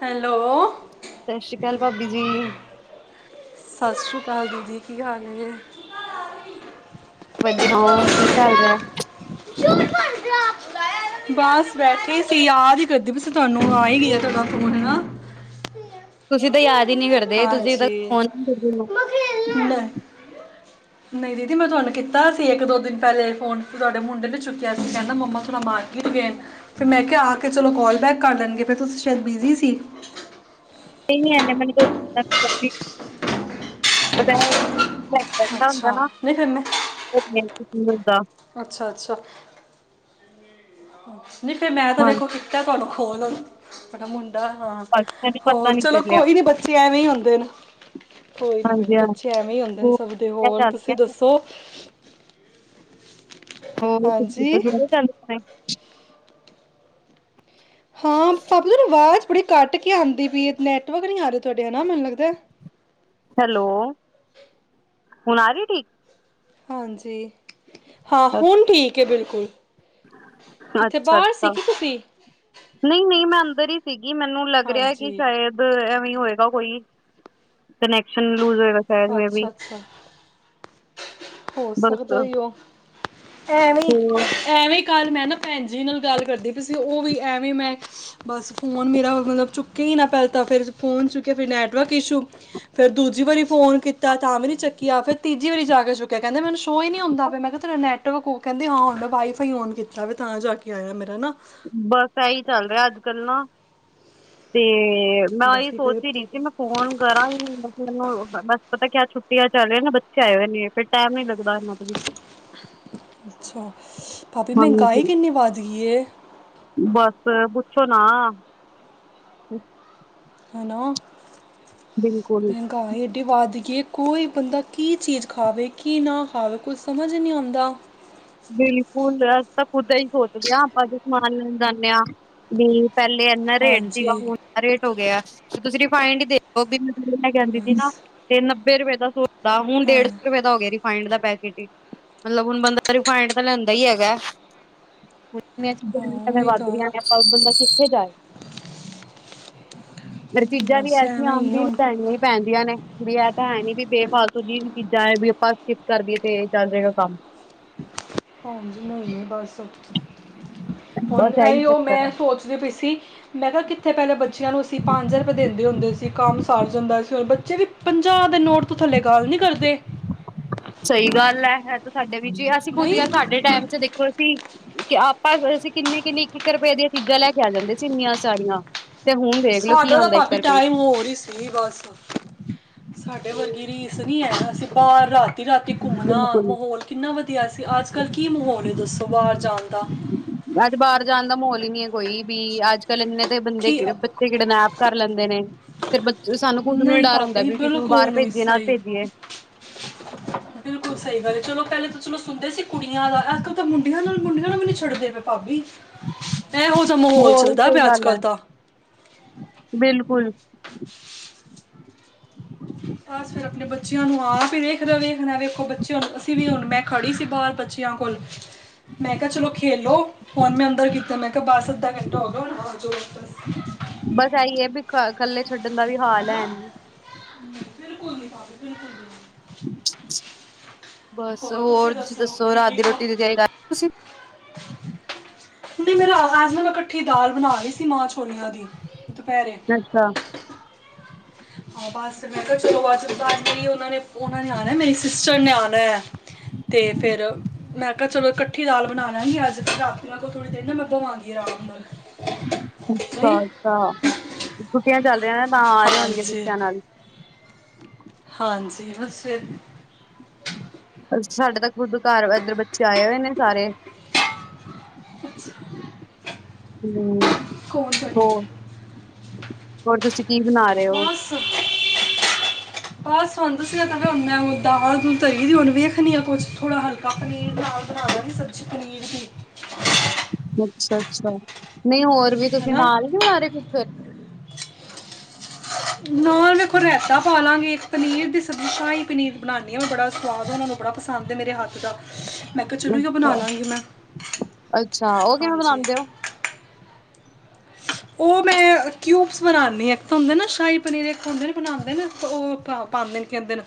Hello ਸ੍ਰੀ ਅਕਾਲ ਭਾਬੀ ਜੀ। ਸਤਿ ਸ਼੍ਰੀ ਅਕਾਲ ਦੀਦੀ ਕੀ ਹਾਲ। ਵਧੀਆ, ਕੀ ਚਾਲ ਰਿਹਾ। ਬਸ ਬੈਠੇ ਸੀ ਯਾਦ ਹੀ ਕਰਦੀ ਸੀ ਤਹਾਨੂੰ, ਆ ਹੀ ਗਿਆ ਤੁਾ ਫੋਨ ਨਾ ਤੁਸੀਂ ਤਾਂ ਯਾਦ ਹੀ ਨੀ ਕਰਦੇ, ਤੁਸੀਂ ਫੌਨ ਮਖ [inaudible] ਨਹੀਂ ਦੀਦੀ ਮੈਂ ਤੁਹਾਨੂੰ ਕੀਤਾ ਸੀ, ਇੱਕ ਦੋ ਦਿਨ ਪਹਿਲੇ ਫੋਨ, ਫਿਰ ਤੁਹਾਡੇ ਮੁੰਡੇ ਨੇ ਚੁੱਕਿਆ ਸੀ ਕਹਿੰਦਾ ਮੰਮਾ ਥੋੜ੍ਹਾ ਬਾਹਰ ਗਏਨੇ ਫਿਰ ਮੈਂ ਕਿਹਾ ਆ ਕੇ ਚਲੋ, ਕਾਲ ਬੈਕ ਕਰ ਲੈਣਗੇ ਫਿਰ ਤੁਸੀਂ ਸ਼ਾਇਦ ਬਿਜ਼ੀ ਸੀ। ੇ ਮੈਨੂੰ [inaudible] ਸਾ ਹੁੰਦਾ ਅੱਛਾ ਨਾ ਨਹੀਂ ਫਿਰ ਮੈਂ ਕੀ ਹੁੰਦਾ [inaudible] ਅੱਛਾ -ਅੱਛਾ। ਨਹੀਂ, ਫਿਰ ਮੈਂ ਤਾਂ ਹਾਂ ਵੇਖੋ ਕੀਤਾ ਤਾਨੂੰ ਖੋਲ ਬਾ ਮੁੰਡਾ [inaudible] ਹਾਂ ਮੈਨੂੰ ਪਤਾ ਹੋਰ ਨੀ ਚਲੋ ਚੱਲਿਆ ਕੋਈ ਨੀ ਬੱਚੇ ਐਵੇਂ ਹੀ ਹੁੰਦੇ ਨੇ ਕੋਈ ਨੀ ਕੋਈ ਨੀ ਹਾਂਜੀ ਹਾਂ ਬੱਚੇ ਐਵੇਂ ਹੀ ਹੁੰਦੇ ਸਭ ਦੇ ਹੋਰ ਤੁਸੀਂ ਦੱਸੋ ਹੋ ਹਾਂਜੀ ਜੜ ਚ ਹਾਂ ਪਾਪ ਤੂੰ ਆਵਾਜ਼ ਬੜੀ ਕੱਟ ਕੇ ਆਉਂਦੀ ਪਈ ਨੈਟਵਰਕ ਨਹੀਂ ਆ ਰ ਤੁਹਾਡੇ ਮੈਨੂੰ ਲੱਗਦਾ ਹੈਲੋ ਹੁਣ ਆ ਰਹੀ ਠੀਕ ਹਾਂਜੀ ਹਾਂ ਹੁਣ ਠੀਕ ਹੈ ਬਿਲਕੁਲ ਅਤੇ ਅੱਛਾ ਅੱਛਾ ਤੁਸੀਂ ਨਹੀਂ ਨਹੀਂ ਮੈਂ ਸੀ ਕੀ ਮੈਨੂੰ ਲੱਗ ਰਿਹਾ ਕਿ ਹਾਂਜੀ ਸ਼ਾਇਦ ਹੋਏਗਾ ਕੋਈ ਕਨੈਕਸ਼ਨ ਲੂਜ਼ ਹੋਏਗਾ ਸ਼ਾਇਦ ਮੇ ਬ ਅੱਛਾ ਅੱਛਾ ਹੋ ਸਕਦਾ ਉਹ ਐਵੇਂ ਹੋਰ ਐਵੇਂ ਕੱਲ ਮੈਂ ਨਾ ਭੈਣ ਜੀ ਨਾਲ ਗੱਲ ਕਰਦੀ ਪ ਸੀ ਉਹ ਵੀ ਐਵੇਂ ਮੈਂ ਬਸ ਫੋਨ ਮੇਰਾ ਮਤਲਬ ਚੁੱਕਿਆ ਹੀ ਨਾ ਪਲਤਾ ਫੇਰ ਫੋਨ ਚੁੱਕਿਆ ਫਿਰ ਨੈਟਵਰਕ ਇਸ਼ੂ ਫੇਰ ਦੂਜੀ ਵਾਰੀ ਫੋਨ ਕੀਤਾ ਤਾਂ ਵਾਰੀ ਚੱਕੀਿਆ ਫੇਿਰ ਤੀਜੀ ਵਾਰੀ ਜਾ ਕੇ ਚੁੱਕ ਕਹਿੰਦੇੈਨੂੰ ਸੋ ਹੀ ਨਹੀਂ ਹੁੰਦਾ ਮੈਂ ਕਿਹਾ ਤੇਰਾ ਨੈਟ ਕਹਿੰਦੇ ਹਾਂ ਹੁ ਮੈਂ ਵਾਈਫਾਈ ਓਨ ਕੀਤਾ ਵੀ ਤਾਂ ਜਾ ਕੇ ਆਇਆ ਮੇਰਾ ਨਾ ਬਸ ਇਹੀ ਚੱਲ ਰਿਹਾ ਅੱਜ ਕੱਲ ਨਾ ਤੇ ਤੇ ਮੈਂ ਬਸ ਇਹੀ ਕੀ ਸੋਚ ਕਰੇ ਹੀ ਰਹੀ ਸੀ ਮੈਂ ਫੋਨ ਕਰਾਂ ਹੀ ਮਬ ਮੈਨੂੰ ਬਸ ਪਤਾ ਕਿਆ ਛੁੱਟੀ ਚੱਲ ਨੇ ਬੇ ਆਏ ਹੋ ਨੇ ਫਰ ਟਾਈਮ ਨੀ ਲੱਦਾ ਅੱਛਾ ਭਾਾਬੀ ਮਹਿੰਗਾਈ ਹਾਂਜੀ ਕਿੰਨੀ ਵੱਧ ਗਈ ਬਸ ਪੁੱਛੋ ਨਾ ਹੈਲੋ ਬਿਲਕੁਲ ਮਹਿੰਗਾ ਏਡੀ ਵੱਧ ਗਈ ਕੋਈ ਬੰਦਾ ਕੀ ਚੀਜ਼ ਖਾਵੇ ਕੀ ਨਾ ਖਾਵੇ ਕੁਛ ਸਮਝ ਨਹੀਂ ਆਉਂਦਾ ਬਿਲਕੁਲ ਅਸੀ ਤਾਂ ਖੁਦ ਹੀ ਸੋਚਦੇ ਹਾਂ ਆਪਾਂ ਸਮਾਨ ਲੈਣ ਜਾਂਦੇ ਹਾਂ ਵੀ ਪਹਿਲੇ ਇੰਨਾ ਰੇਟ ਸੀਗਾ ਹਾਂਜੀ ਹੁਣ ਇਨਾ ਰੇਟ ਹੋ ਗਿਆ ਤੇ ਤੁਸੀਂ ਫਾਈੰ ਦੇੋ ਵੀ ਮੈਂ ਕਹਿੰਦੀ ਸੀ ਬਸ ਨਾ ਤੇ ਵੇਰਵੇ ਦਾ ਸ ਦਾ ਹੁਣ ਹਾਂ ਡੇਢ ਸੌ ਰੁਪਏ ਦਾ ਹੋ ਗਿਆ ਰਿਫਾਇੰਡ ਦਾ ਪੈ ਬੰ ਰਿਫਾਈੰਡ ਤਾਂ ਲੈਂਦਾ ਹੀ ਹੈਗਾ ਮੈਂ ਸਧ ਹਾਂ ਸਮੇਂ ਉਹੀ ਵੱਧ ਤਾਂ ਰਿਹੀਹਾ ਆਪਾਂ ਬੰਦਾ ਕਿੱਥੇ ਜਾਏ ਪਰ ਚੀਜ਼ਾਂ ਵੀ ਬਸ ਐਸੀਆਂ ਐਵੇਂ ਹੀ ਆਮਦੀ ਲ ਹੁਣ ਲੈਣੀਆਂ ਹੀ ਪੈਂਦੀਆਂ ਨੇ ਵੀ ਇਹ ਤਾਂ ਹੈ ਨੀ ਵੀ ਬੇ ਫਾਲਤੂ ਜੀ ਚੀਜ਼ਾਂ ਹੈ ਵੀ ਆਪਾਂ ਸਕਿੱਪ ਕਰਦੀਏ ਤੇ ਚੱਲ ਜਾਏਗਾ ਕੰਮ ਹਾਂਜੀ ਨਹੀਂ ਬਸ ਹੁਣ ਬਸ ਇਹੀ ਇ ਉਹ ਚੱਕਰ ਆ ਮੈਂ ਸੋਚਦੀ ਪਈ ਸੀ ਮੈਂ ਕਿਹਾ ਕਿੱਥੇ ਪਹਿਲੇ ਬੱਚਿਆਂ ਨੂੰ ਅਸੀਂ ਪੰਜ ਰੁਪਏ ਦਿੰਦੇ ਹੁੰਦੇ ਸੀ ਕੰਮ ਸਾਰ ਜਾਂਦਾ ਸੀ ਬੱਚੇ ਵੀ ਪੰਜਾਹ ਦੇ ਨੋਟ ਤੋਂ ਥੱਲੇ ਗਾਲ ਨੀ ਕਰਦੇ ਸਹੀ ਗੱਲ ਹੈ ਇਹ ਤਾਂ ਸਾਡੇ ਵੀ ਜੀ ਅਸੀਂ ਖੁਦ ਨਹੀਂ ਯਾਰ ਸਾਡੇ ਟਾਈਮ ਚ ਦੇਖੋ ਅਸੀਂ ਕਿ ਪਰ ਅਸੀਂ ਕਿੰਨੀ ਕਿੰਨੀ ਇੱਕ ਇੱਕ ਰੁਪਏ ਦੀਆਂ ਚੀਜ਼ਾਂ ਲੈ ਕੇ ਆ ਜਾਂਦੇ ਸੀ ਇਨੀਆਂ ਸਾਰੀਆਂ ਤੇ ਹੁਣ ਦੇਖ ਲੋ ਕੀ ਸਾਡਾ ਤਾਂ ਆਉਂਦਾ ਇੱਕ ਭਾਬੀ ਰੁਪਏ ਟਾਈਮ ਚ ਹੋਰ ਹੀ ਸੀ ਬਸ ਸਾਡੇ ਵਰਗੀ ਰੀਸ ਨੀ ਹੈ ਅਸੀਂ ਬਾਹਰ ਰਾਤੀ ਰਾਤੀ ਘੁੰਮਣਾ ਬਿਲਕੁਲ ਮਾਹੌਲ ਕਿੰਨਾ ਵਧੀਆ ਸੀ ਅਜ ਕੱਲ ਕੀ ਮਾਹੌਲ ਹੈ ਦੱਸੋ ਬਾਹਰ ਜਾਣ ਦਾ ਅੱਜ ਬਾਹਰ ਜਾਣ ਦਾ ਮਾਹੌਲ ਨਹੀਂ ਹੈ ਕੋਈ ਵੀ ਅੱਜ ਕੱਲ ਇੰਨੇ ਦੇ ਬੰਦੇ ਕੀ ਬੱਚੇ ਕਿਡਨੈਪ ਕਰ ਲੈਂਦੇ ਨੇ ਫਿਰ ਬ ਸਾਨੂੰ ਕੁ ਮੈਨੂੰ ਹੀ ਨਹੀਂ ਡਰ ਹੁੰਦੈ ਭਾਬੀ ਕਿਨੂੰ ਬਿਲਕੁਲ ਬਾਹਰ ਨਹੀਂ ਭੇਜੀਏ ਨਾ ਸਹੀ ਭੇਜੀਏ ਬਿਲਕੁਲ ਸਹੀ ਗੱਲ ਚਲੋ ਪਹਿਲੇ ਤਾਂ ਚਲੋ ਸੁਣਦੇ ਸੀ ਕੁੜੀਆਂ ਦਾ ਅਜ ਕੱਲ ਤਾਂ ਮੁੰਡੀਆਂ ਨਾਲ ਮੁੰਡਿਆਂ ਨਾਲ ਵੀ ਨਹੀਂ ਛੱਡਦੇ ਪਏ ਭਾਬੀ ਇਹੋ ਜਿਹਾ ਮਾਹੌਲ ਹੋਰ ਚੱਲਦਾ ਸਹੀ ਪਿਆ ਅੱਜ ਗੱਲ ਹੈ ਕੱਲ੍ਹ ਦਾ ਬਿਲਕੁਲ ਬਸ ਫਿਰ ਆਪਣੇ ਬੱਚਿਆਂ ਨੂੰ ਆਪ ਹੀ ਵੇਖਣੈ ਵੇਖਣੈ ਰ ਵੇਖੋ ਬੱਚੇ ਹ ਅਸੀਂ ਵੀ ਹੁਣ ਮੈਂ ਖੜੀ ਸੀ ਬਾਹਰ ਬੱਚਿਆਂ ਕੋਲ ਮੈਂ ਕਿਹਾ ਚਲੋ ਖੇਲੋ ਹੁਣ ਮੈਂ ਅੰਦਰ ਕੀਤਾ ਮੈਂ ਕਿਹਾ ਬਸ ਅੱਧਾ ਘੰਟਾ ਹੋ ਗਿਆ, ਹੁਣ ਘਰ ਚਲੋ ਬਸ ਆਈਏ ਵੀ ਘਰ ਇਕੱਲੇ ਛੱਡਣ ਦਾ ਵੀ ਹਾਲ ਹੈ ਹਨਾ? ਨੀ ਬਿਲਕੁਲ ਨੀ ਭਾਬੀ ਬਿਲਕੁਲ ਨੀ [unintelligible] ਹੋਰ ਤੁਸੀਂ ਦੱਸੋ ਰਾਤ ਦੀ ਠੀਕ ਹੋ ਰੋਟੀ ਦੀ ਤਿਆਰੀ ਕਰ ਤੁਸੀਂ ਨਹੀਂ ਮੇਰਾ ਆਵਾਜ਼ ਨਾ ਮੈਂੱ ਕਠੀ ਦਾਲ ਬਣਾ ਰਹੀ ਸੀ ਮਾਂ ਛੋਲੀਆਂ ਦੀ ਦੁਪਹਿਰੇ ਅੱਛਾ- ਹਾਂ ਬਸ ਮੈਂ ਕਿਹਾ ਚਲੋ ਅੱਜ ਅੱਜ ਮੇਰੀ ਉਹਨਾਂ ਨੇ ਉਹਨਾਂ ਨੇ ਆਣਾ ਮੇਰੀ ਸਿਸਟਰ ਨੇ ਆਣਾ ਤੇ ਫੇਰ ਮੈਂ ਕਿਹਾ ਚਲੋ ਕੱਠੀ ਦਾਲ ਬਣਾ ਲਾਗੀ ਅੱਜ ਰਾਤੀ ਮੈਂ ਕੋਈ ਥੋੜੀ ਦੇਰ ਨਾਲ ਮੈਂ ਬਵਾਂਗੀ ਆਰਾਮ ਨਾਲ ਅੱਛਾ ਨਹੀਂ ਅੱਛਾ ਛੁੱਟੀਆਂ [unintelligible] ਚੱਲ ਤਾਂ ਆ ਰਹੇ ਹੋਣਗੇ ਹਾਂਜੀ ਬੱਚਿਆਂ ਨਾਲ ਹਾਂਜੀ ਬਸ ਫਿਰ ਸਾਡੇ ਤੱਕ ਖੁਦ ਘਰ ਏਧਰ ਬੱਚੇ ਆਏ ਹੋਏ ਨੇ ਸਾਰੇ ਕੁਛ [unintelligible] ਹੂ ਹੋ ਹੋਰ ਦਸੋ ਬਸ ਬਸ ਹੁਣ [unintelligible] ਦਾਲ ਦੂਲ ਧਰੀ ਏ ਹੁਣ ਵੇਖਣੀ ਆਂ ਕੁਝ ਥੋੜਾ ਹਲਕਾ ਪਨੀਰ ਨਾਲ ਬਣਾ ਦਾਗੀ ਸਬਜ਼ੀ ਬਣਾਉਨੀ ਹਾਂ ਅੱਛਾ -ਅੱਛਾ ਨਹੀਂ ਹੋਰ ਵੀ ਤੁਸੀਂ ਹੈਨਾ ਨਾਲ ਹੀ ਬਣਾ ਰਹੇ ਕੁਛ ਨਾਲ ਮੈਂ ਵੇਖੋ ਰਇਤਾ ਪਾ ਲਾਂਗੇ ਇੱਕ ਪਨੀਰ ਦੀ ਸਬਜ਼ੀ ਸ਼ਾਹੀ ਪਨੀਰ ਬਣਾਦੀ ਹਾਂ ਮੈਂ ਬੜਾ ਸਵਾਦ ਉਹਨਾਂ ਨੂੰ ਬੜਾ ਪਸੰਦ ਹੈ ਮੇਰੇ ਹੱਥ ਦਾ। ਮੈਂ ਕਿਹਾ ਚਲੋ ਬਣਾ ਲਵਾਂਗੀ ਮੈਂ ਅੱਛਾ ਉਹ ਕਿਵੇਂ ਹਾਂਜੀ ਬਣਾਦੇ ਹੋ। ਉਹ ਮੈਂ ਕਿਊਬਸ ਬਣਾਉਂਦੀ ਹਾਂ ਇੱਕ ਤਾਂ ਹੁੰਦੇ ਨਾ ਸ਼ਾਹੀ ਪਨੀਰ ਇੱਕ ਹੁੰਦੇ ਬਣਾਉਂਦੇ ਨੇ ਉਹ ਪਾਉਂਦੇ ਨੇ ਕੀਦੇ ਨੇ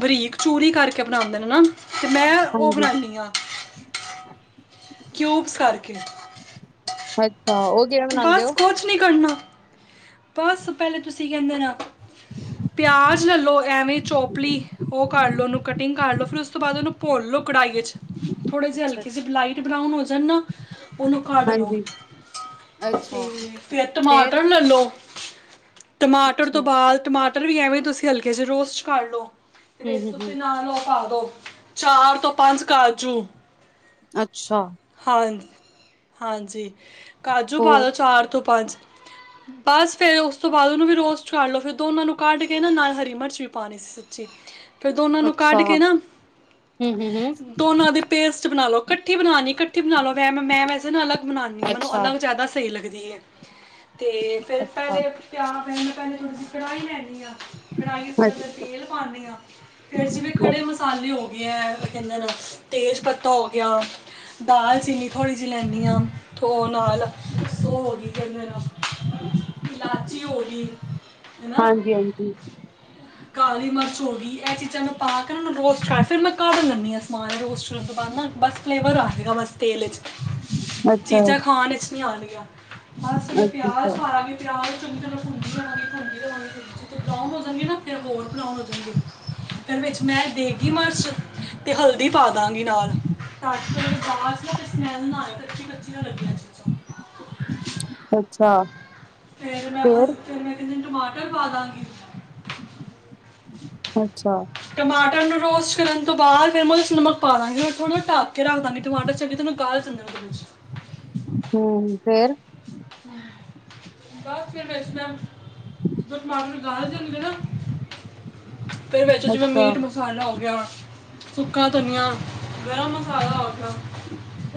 ਬਰੀਕ ਚੂਰੀ ਕਰਕੇ ਬਣਾਉਂਦੇ ਨੇ ਨਾ ਤੇ ਮੈਂ ਉਹ ਹਾਂਜੀ, ਬਣਾਣੀ ਆ। ਕਿਊਬਸ ਕਰਕੇ ਅੱਛਾ। ਉਹ ਕਿਵੇਂ ਬਣਾਂਦੇ ਬਸ ਓ? ਕੁਛ ਨੀ ਕਰਨਾ। ਬਸ ਪਹਿਲੇ ਤੁਸੀਂ ਕਹਿੰਦੇ ਨਾ ਪਿਆਜ ਲੈ ਲਓ ਐਵੇਂ ਚੋਪਲੀ ਉਹ ਕਰ ਲਓ ਉਹਨੂੰ ਕਟਿੰਗ ਕਰ ਲਓ ਫਿਰ ਉਸ ਤੋਂ ਬਾਅਦ ਉਸਨੂੰ ਭੁੰਨ ਲਓ ਕੜਾਹੀ ਵਿੱਚ। ਥੋੜੇ ਜਹੇ ਹਲਕੇ ਅੱਛਾ-ਅੱਛਾ, ਸੇ‌ ਲਾਈਟ ਬਰਾਊਨ ਹੋ ਜਾਨ ਨਾ ਉਹਨੂੰ ਕੱਢ ਲਓ ਹਾਂਜੀ, ਤੇ ਅੱਛਾ ਫਿਰ ਫੇਰ ਟਮਾਟਰ ਲੈ ਲਉ ਟਮਾਟਰ ਅੱਛਾ, ਤੋਂ ਬਾਅਦ ਟਮਾ ਟਰ ਵੀ ਤੁਸੀਂ ਐਵੇਂ ਹਲਕੇ ਚ ਰੋਸਟ ਚ ਕਰ ਲੋ। ਤੇ ਤੁਸੀਂ ਹੂੰ-ਹੂੰ-ਹੂੰ, ਨਾਲ ਦੋ ਪਾ ਦੋ ਚਾਰ ਤੋਂ ਪੰਜ ਕਾਰਜੂ ਅੱਛਾ। ਹਾਂਜੀ-ਹਾਂਜੀ। ਕਾਜੂ ਪਾ ਹੋਰ ਦਿਓ ਚਾਰ ਤੋਂ ਪੰਜ [unintelligible] ਬਸ ਫੇਰ ਉਸ ਤੋਂ ਬਾਅਦ ਉਹਨੂੰ ਵੀ ਰੋਸਟ ਕੱਰ ਲੋ ਫਿਰ ਦੋਨਾਂ ਨੂੰ ਕੱਢ ਕੇ ਨਾ ਨਾਲ ਹਰੀ ਮਿਰਚ ਵੀ ਪਾਨੀ ਸੀ ਸੱਚੀ ਫਿਰ ਦੋਨਾਂ ਨੂੰ ਕੱਢ ਅੱਛਾ, ਕੇ ਨਾ ਹੂੰ-ਹੂੰ-ਹੂੰ, ਦੋਨਾਂ ਦੀ ਪੇਸਟ ਬਣਾ ਲਓ। ਇਕੱਠੀ ਬਣਾਨਣੀ ਇਕੱਠੀ ਬਣਾ ਲੋ ਵੈ ਮੈਂ ਵੈਸੇ ਨਾ ਅਲਗ ਬਨਾਣੀ ਆ ਮੈਨੂੰ ਅੱਛਾ। ਉਦਾ ਵੀ ਜ਼ਿਆਦਾ ਸਹੀ ਲਗਦੀ। ਤੇ ਫਿਰ ਅੱਛਾ, ਪਹਿਲੇ ਪਿਆਜ਼ ਪੈਂ ਪਹਿਲੇ ਥੋੜ੍ਹੀ ਜਿਹੀ ਕੜਾਹੀ ਲੈਂਨੀ ਹਾਂ, ਕੜਾਹੀ ਥੋੜਾ ਜਿਹਾ ਤੇਲ ਪਾਨੀ ਆ, ਫਿਰ ਜਿਵੇ ਖੜੇ ਮਸਾਲੇ ਹੋ ਗਏ ਆ। ਤੇਜ਼ ਪੱਤਾ ਹੋ ਗਿਆ। ਦਾਲ ਚੀਨੀ ਥੋੜ੍ਹੀ ਜਿਹੀ ਲੈਂਨੀ ਹਾਂ ਥੋ ਨਾਲ ਉਹ ਕੀ ਕਰਦੇ। ਇਲਾਚੀ ਹੋ ਗਈ ਹੈ ਨਾ, ਹਾਂਜੀ-ਹਾਂਜੀ, ਕਾਲੀ ਮਿਰਚ ਹੋ ਗਈ। ਇਹ ਚਿਜਾ ਮੈਂ ਪਾ ਕੇ ਉਨ੍ਹਾਂ ਨੂੰ ਰੋਸਟ ਕੱਰ ਫੇਰ ਮੈਂ ਕੱਢ ਲੈ ਆਪੀਆਂ ਸਮਾਨ ਰੋਸਟ ਕਰਨ ਤੋਂ ਬਾਦ ਫਲੇਵਰ ਆਜੇ ਗਾ ਬਸ ਤੇਲ 'ਚ ਅੱਛਾ, ਚੀਜ਼ਾਂ ਖਾਣ ਵਿਚ ਨੀ ਆਣਗੀਆਂ ਬਸ ਫੇਰ ਪਿਆਜ ਅੱਛਾ-ਅੱਛਾ, ਪਿਆਜ਼ ਚੰਗੀ ਤਰ੍ਹਾਂ ਫੁੰਦੀ ਜਾਣਾ ਠੰਡੀ ਤੁੰ ਜਿੱਥੇ ਰਾਮ ਵਸਨ ਗੇ ਨਾ ਫਿਰ ਹੋਰ ਬਣਾਉਨ ਹੋ ਫਿਰ ਵਿੱਚ ਮੈਂ ਦੇਗੀ ਮਿਰਚ ਅਤੇ ਹਲਦੀ ਪਾ ਦਾਂਗੀ ਨਾਲ ਤਾਂ ਕਿ ਉਹਨਾਂ ਨੂੰ ਖਾਸ ਸਮੱਲ ਨਾ ਆਏ ਕਚਿਆ ਕਚਿਆ ਨ ਲੱਗੀਆਂ ਚੀਜ਼ਾਂ ਅੱਛਾ ਫਿਰ ਮੈਂ ਫੇਰ ਹਲਕੇ ਟਮਾਟਰ ਪਾ ਦਾਂਗੇ ਅੱਛਾ ਟਮਾਟਰ ਨੂੰ ਰੋਸਟ ਕਰਨ ਤੋਂ ਬਾਅਦ ਫਿਰ ਮੈਂ ਉਹਦੇ ਚ ਨਮਕ ਪਾ ਦਾਂਗੀ ਮੈਂ ਥੋੜ੍ਹਾ ਜ ਢੱਕ ਕੇ ਰੱਖ ਦਵਾਂਗੀ ਟਮਾਟਰ ਚਗੇ ਤੇਨੂੰ ਗਾਲ ਦਿੰਦਾ ਉਹਦੇ ਵਿੱਚ ਹਮ ਫੇਰ ਬੱਸ ਫਿਰ ਵਿੱਚ ਨਾ ਜਦੋਂ ਟਮਾਟਰ ਗਲ ਜਾਣ ਗੇ ਨਾ ਫਿਰ ਵਿੱਚ ਜਿਵੇਂ ਅੱਛਾ, ਮੀਟ ਮਸਾਲਾ ਹੋ ਗਿਆ ਵਾ ਸੁੱਕਾ ਧਨੀਆ ਗਰਮ ਮਸਾਲਾ ਹੋ ਗਿਆ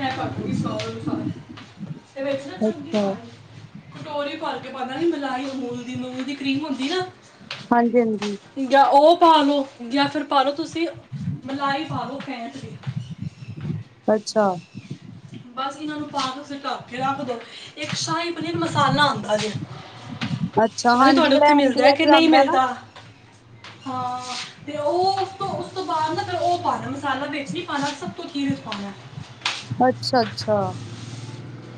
ਇਹ ਪਾਂ ਦੂੰਗੀ ਸਾਰੇ ਮਸਾਲੇ ਤੇ ਵਿੱਚ ਨਾ ਚੰਗੀ ਅੱਛਾ, ਖਾਣੀ ਕਟੋਰੇ ਭਰ ਕੇ ਪਾਉਂਦਾ ਗ਼ੀ ਮਲਾਈ ਅਮੂਲ ਦੀ ਅੂਲ ਦੀ ਕਰੀਮ ਹੁੰਦੀ ਨਾ ਹਾਂਜੀ ਹਾਂਜੀ ਜਾਂ ਉਹ ਪਾ ਲਓ ਜਾਂ ਫਿਰ ਪਾਲ ਲਓ ਤੁਸੀਂ ਮਲਾਈ ਪਾ ਲਓ ਫੈਂਟ ਕੇ ਅੱਛਾ ਬਸ ਇਹਨਾਂ ਨੂੰ ਪਾ ਕੇ ਤੁਸੀਂ ਟੱਕ ਕੇ ਰੱਖ ਦਿਓ ਇੱਕ ਸ਼ਾਹੀ ਪਨੀਰ ਮਸਾਲਾ ਆਉਂਦਾ ਜ ਅੱਛਾ ਹਾਂਜੀ ਜਿਹੜਾ ਐਮ ਡੀ ਏਚ ਦਾ ਆਂਦਾ ਹੈ ਨ ਮਿਲਦਾ ਹਾਂ ਤੇ ਉਹ ਉਸ ਤੋਂ ਉਸ ਤੋਂ ਬਾਅਦ ਨਾ ਫਿਰ ਉਹ ਪਾਣਾ ਮਸਾਲਾ ਵਿੱਚ ਨੀ ਪਾਣਾ ਸਭ ਤੋਂ ਆਖਿਰ ਚ ਪਾਣਾ ਏ ਅੱਛਾ ਅੱਛਾ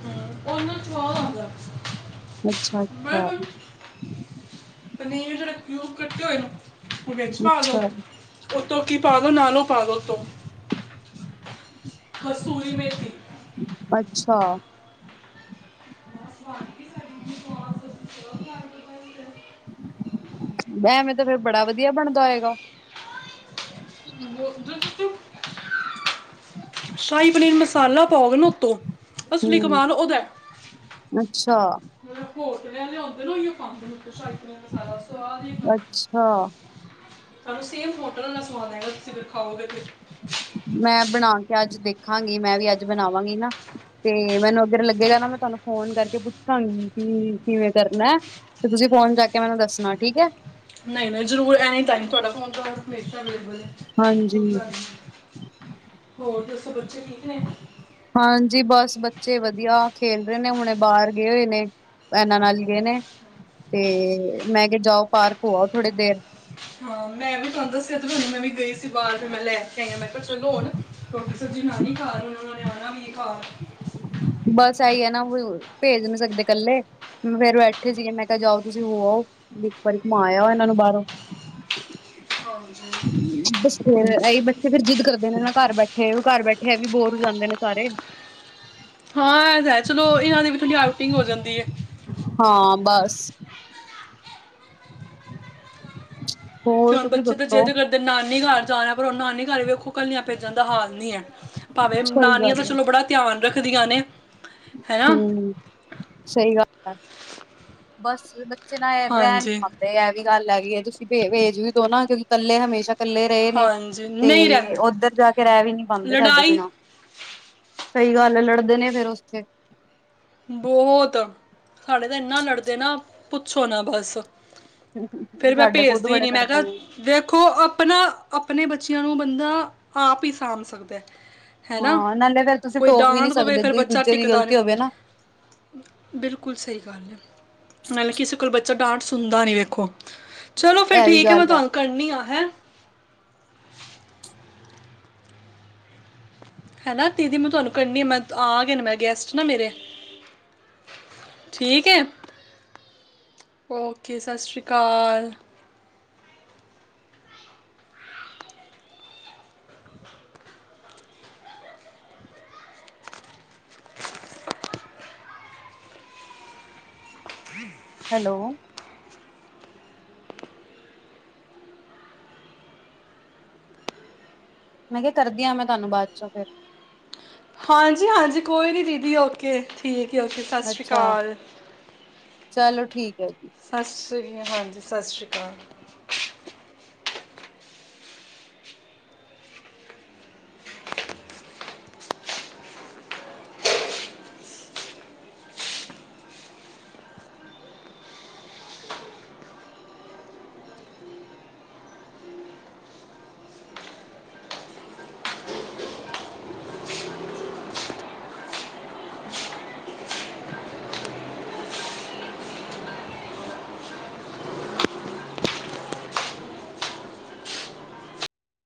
ਹ ਉਹਨਾਂ ਸੁਆਦ ਆਦਾ ਏ ਅੱਛਾ ਅੱਛਾ ਪਨੀਰ ਜਹੜੇ ਕਿਊਬ ਕੱਟੇ ਹੋਏ ਨੂੰ ਉਹ ਵਿੱਚ ਪਾ ਦਓ ਅੱਛਾ, ਉੱਤੋਂ ਚਾਵਲ ਲਾ ਲਓ ਪਾਂ ਤੋਂ ਉਤੋ, ਕਸਤੂਰੀ ਮੇਥੀ ਅੱਛਾ ਵਾਕਏ ਸਾਡੀ ਮੰਮੀ ਸਵਾਦ ਸਬਜੀ [unintelligible] ਏ ਵੇਂ ਤਾਂ ਫੇਿਰ ਬੜਾ ਵਧੀਆ ਬਣਦਾ ਹੈਗਾ ਹੈ ਉਹ ਜਦੋਂ ਤੁਸੀਂ ਸ਼ਾਹੀ ਪਨੀਰ ਮਸਾਲਾ ਪਾਉਗੇ ਨਾ ਉੱਤੋਂ ਅਸਲੀ ਹੂੰ, ਕਮਾਲ ਉਹਦਾ ਅੱਛਾ, ਹੁੰਦੇ ਨੇ ਉਹੀਓ ਪੈਂਦੇ ਨੇ ਸ਼ਾਹੀ ਪਨੀਰ ਆਪ ਮਸਾਲਾ ਸਵਾਦ ਹੀ ਬਨ ਜਾਂਦਾ ਅੱਛਾ ਹੈ ਸਾਨੂੰ ਸੇਮ ਹੋਟਲ ਦਾ ਸੁਆਦ ਆਏਗਾ ਤੁਸੀਂ ਫਿਰ ਖਾਓਗੇ ਫ ਮੈਂ ਬਣਾ ਕੇ ਅੱਜ ਦੇਖਾਂਗੀ ਮੈਂ ਵੀ ਅੱਜ ਬਣਾਵਾਂਗੀ ਨਾ ਤੇ ਮੈਨੂੰ ਅੱਗਰ ਲੱਗੇਗਾ ਨਾ ਮੈਂ ਤੁਹਾਨੂੰ ਫੋਨ ਕਰਕੇ ਪੁੱਛਾਂਗੀ ਕਿ ਕਿਵੇਂ ਕਰਨਾ ਤੇ ਤੁਸੀਂ ਫੋਨ ਕਰਕੇ ਮੈਨੂੰ ਦੱਸਣਾ ਠੀਕ ਹੈ ਨਹੀਂ ਨਹੀਂ ਜ਼ਰੂਰ ਤੁਹਾਡਾ ਟਾਈਮ ਹਮੇਸ਼ਾ ਅਵੈਲਾਬਲ ਹੈ ਹਾਂਜੀ, ਚੁਕ ਲਗ ਗਈ ਹੋਰ ਦੱਸੋ ਬੱਚੇ ਠੀਕ ਨੇ ਹਾਂਜੀ ਬਸ ਬੱਚੇ ਵਧੀਆ ਖੇਲ ਰਹੇ ਨੇ ਹੁਣੇ ਬਾਹਰ ਗਏ ਹੋਏ ਨੇ ਇਹਨਾਂ ਨਾਲ ਗਏ ਨੇ ਤੇ ਮੈਂ ਕਿਹਾ ਜਾਓ ਪਾਰਕ ਹੋ ਆਓ ਥੋੜੀ ਦੇਰ। ਹਾਂ ਮੈਂ ਵੀ ਤੁਹਾਨੂੰ ਦੱਸਿਆ ਮੈਂ ਵੀ ਗਈ ਸੀ ਬਾਰ ਫਿਰ ਮੈਂ ਲੈ ਕੇ ਆਈ ਮੈਂ ਕਿਹਾ ਚਲੋ ਹੁਣ ਸਬਜ਼ੀ ਬਣਾਣੀ ਘਰ ਉਨ੍ਹਾਂ ਨੇ ਆਣਾ ਵੀ ਏ ਬਸ ਆਈ ਹੈ ਨਾ ਭੇਜ ਨੀ ਸਕਦੇ ਇਕੱਲੇ ਫੇਰ ਬੈਠੇ ਸੀਗੇ ਮੈਂ ਕਿਹਾ ਜਾਓ ਤੁਸੀਂ ਹੋ ਆਓ ਇੱਕ ਵਾਰੀ ਘੁੰਮਾ ਆਓ ਇਹਨਾਂ ਨੂੰ ਬਾਹਰੋਂ। ਹਾਂ ਏਹੀ ਬੱਚੇ ਫੇਰ ਜਿੱਦ ਕਰਦੇ ਨੇ ਨਾ ਘਰ ਬੈਠੇ ਵੀ ਘਰ ਬੈਠੇ ਆ ਵੀ ਬੋਰ ਹੋ ਜਾਂਦੇ ਨੇ ਸਾਰੇ ਹਾਂ ਇਹ ਤਾਂ ਹੈ ਚਲੋ ਇਹਨਾਂ ਦੀ ਵੀ ਥੋਡੀ ਆਊਟਿੰਗ ਹੋ ਜਾਂਦੀ ਹੈ। ਹਾਂ ਬਸ [unintelligible] ਤੇ ਹੁਣ ਤੁਸੀਂ ਬੱਚੇ ਤਾਂ ਦੱਸੋ ਜਿਦੇ ਕਰਦੇ ਨਾਨੀ ਘਰ ਜਾਣਾ ਪਰ ਉਹ ਨਾਨੀ ਘਰ ਵੇਖੋ ਕਲੀਆਂ ਪੇਜਣ ਦਾ ਹਾਲ ਨੀ ਹੈ। ਭਾਵੇਂ ਸਹੀ ਨਾਨੀਆਂ ਦਾ ਗੱਲ ਹੈ ਚਲੋ ਬੜਾ ਧਿਆਨ ਰੱਖਦੀਆ ਨੇ ਹੈਨਾ ਹੂੰ ਸਹੀ ਗੱਲ ਬਸ ਮੈਂ ਨਾ ਰਹਿਣ ਹਾਂਜੀ। ਪਾਦੇ ਐ ਵੀ ਗੱਲ ਹੈਗੀ ਇਹ ਤੁਸੀਂ ਭੇਜ ਵੀ ਦੋ ਨਾ ਕਿਉਂਕਿ ਇਕੱਲੇ ਹਮੇਸ਼ਾ ਇਕੱਲੇ ਰਹੇ ਨੇ ਹਾਂਜੀ ਤੇ ਨਹੀਂ ਰਹਿੰਦਾ ਉੱਧਰ ਜਾ ਕੇ ਰਹਿ ਵੀ ਨਹੀਂ ਪਾਦੇ ਸਾਡੇ ਲੜਾਈ ਬਿਨਾਂ ਸਹੀ ਗੱਲ ਲੜਦੇ ਨੇ ਫਿਰ ਉੱਥੇ ਬਹੁਤ ਸਾਡੇ ਤਾਂ ਇਨਾ ਲੜਦੇ ਨਾ ਪੁੱਛੋ ਨਾ ਬਸ ਫੇਰ ਮੈਂ ਸਾਡੇ ਖੁਦ ਭੇਜਦੀ ਬੜੇ ਨੀ ਮੈਂ ਕਿਹਾ ਲੜਦੇ ਨੇ ਦੇਖੋ ਆਪਣਾ ਆਪਣੇ ਬੱਚੇ ਬੱਚਿਆਂ ਨੂੰ ਬੰਦਾ ਆਪ ਹੀ ਸਾਂਭ ਸਕਦਾ ਹੈਨਾ ਹਾਂ ਨਾਲੇ ਫੇਰ ਤੁਸੀਂ ਕੋਈ ਟੋਕ ਵੀ ਨਹੀਂ ਡਾਂਟ ਦੇਵੇ ਸਕਦੇ ਫਿਰ ਜੇ ਬੱਚਾ ਦੂਜੇ ਦੀ ਟਿਕਦਾ ਗ਼ਲਤੀ ਹੋਵੇ ਨਹੀਂ ਨਾ। ਬਿਲਕੁਲ ਸਹੀ ਗੱਲ ਹੈ। ਨਾਲੇ ਕਿਸੇ ਕੋਲ ਬੱਚੇ ਡਾਂਟ ਸੁਣਦਾ ਨੀ ਵੇਖੋ ਚਲੋ ਫਿਰ ਇਹ ਵੀ ਠੀਕ ਹੈ ਮੈਂ ਗੱਲ ਤੁਹਾਨੂੰ ਕਰਨੀ ਹੈਂ। ਹੈਨਾ ਦੀਦੀ ਮੈਂ ਤੁਹਾਨੂੰ ਕਰਨੀ ਆ ਮੈਂ ਆ ਗਏ ਮੈਂ ਗੈਸਟ ਨਾ ਮੇਰੇ। ਠੀਕ ਹੈ, ਓਕੇ ਸਤਿ ਸ੍ਰੀ ਅਕਾਲ। ਹੈਲੋ ਮੈਂ ਕਿਹਾ ਕਰਦੀ ਹਾ ਮੈਂ ਤੁਹਾਨੂੰ ਬਾਅਦ ਚੋਂ ਫਿਰ ਹਾਂਜੀ ਹਾਂਜੀ ਕੋਈ ਨੀ ਦੀਦੀ ਓਕੇ ਠੀਕ। ਓਕੇ ਸਤਿ ਸ਼੍ਰੀ ਅੱਛਾ ਅਕਾਲ। ਚਲੋ ਠੀਕ ਹੈ ਜੀ ਸਤਿ ਸ਼੍ਰੀ ਅਕਾਲ ਹਾਂਜੀ ਸਤਿ ਸ਼੍ਰੀ ਅਕਾਲ।